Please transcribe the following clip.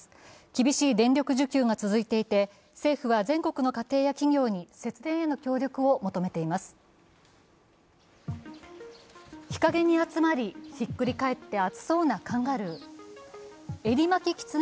厳しい電力需給が続いていて政府は全国の家庭や企業に節電への協力を求めています。